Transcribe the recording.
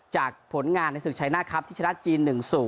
ผลงานในศึกชัยหน้าครับที่ชนะจีน๑๐